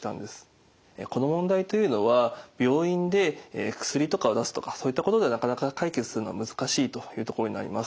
この問題というのは病院で薬とかを出すとかそういったことではなかなか解決するのは難しいというところになります。